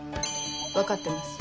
分かってます。